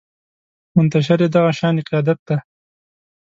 منتشر يې دغه شانې قیادت دی